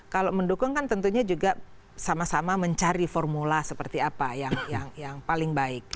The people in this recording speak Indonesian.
kalau mendukung kan tentunya juga sama sama mencari formula seperti apa yang paling baik